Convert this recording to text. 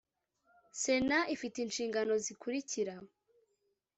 sena ifite inshingano zikurikira